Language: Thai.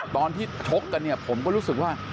ตอนที่ชกกันผมก็รู้สึกว่า